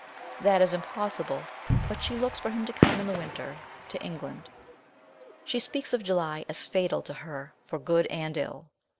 That is impossible, but she looks for him to come in the winter to England. She speaks of July as fatal to her for good and ill.